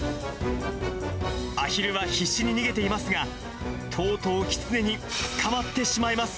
アヒルは必死に逃げていますが、とうとうキツネに捕まってしまいます。